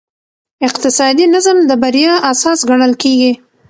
اقتصادي نظم د بریا اساس ګڼل کېږي.